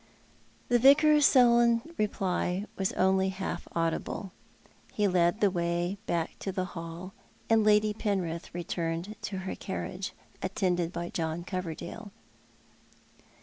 The Vicar's sullen reply was only half audible. lie led the way back to the hall, and Lady Penrith returned to her carriage, attended by John Coverdale.